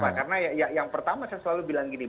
karena yang pertama saya selalu bilang gini